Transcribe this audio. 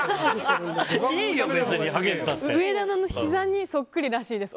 植田のひざにそっくりらしいです。